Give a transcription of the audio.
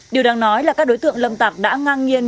điều đáng nói là các đối tượng lâm tặc đã ngang nhiên